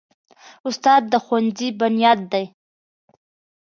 استاد د ښوونځي بنیاد دی.